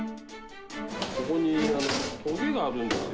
ここにとげがあるんですよ。